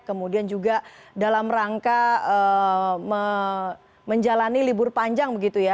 kemudian juga dalam rangka menjalani libur panjang begitu ya